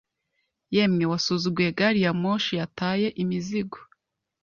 Yemwe wasuzuguye gari ya moshi yataye imizigo